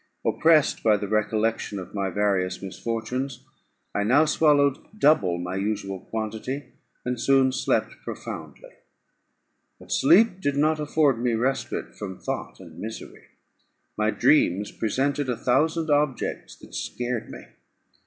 Oppressed by the recollection of my various misfortunes, I now swallowed double my usual quantity, and soon slept profoundly. But sleep did not afford me respite from thought and misery; my dreams presented a thousand objects that scared me.